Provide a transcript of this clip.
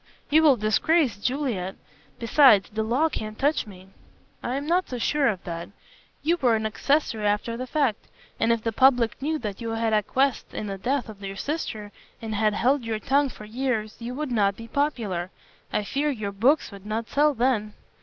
"You will disgrace Juliet. Besides, the law can't touch me." "I am not so sure of that. You were an accessory after the fact. And if the public knew that you had acquiesced in the death of your sister and had held your tongue for years, you would not be popular. I fear your books would not sell then."